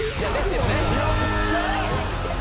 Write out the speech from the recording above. よっしゃー！